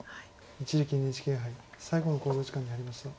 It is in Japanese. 一力ＮＨＫ杯最後の考慮時間に入りました。